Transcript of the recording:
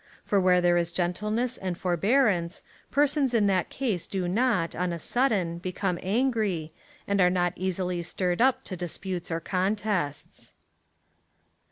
For where there is gentleness and forbearance, persons in that case do not, on a sudden, become angry, and are not easily stirred up to dis putes and contests.